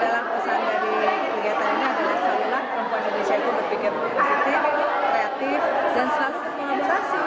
dalam pesan dari kegiatan ini adalah seolah olah perempuan indonesia itu berpikir positif kreatif sensasi dan sensasi